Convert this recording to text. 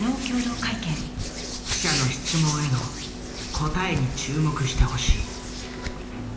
記者の質問への答えに注目してほしい。